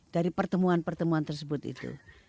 dari pertemuan pertemuan tersebut itu